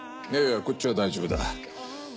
いやいやこっちは大丈夫だ。